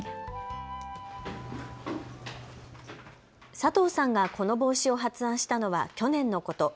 佐藤さんがこの帽子を発案したのは去年のこと。